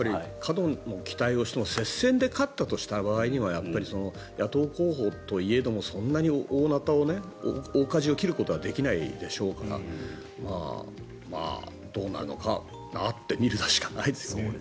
過度の期待をしても接戦で勝った場合にはやっぱり野党候補といえどもそんなに大なたを大かじを切ることはできないでしょうからどうなるのかなと見るしかないですよね。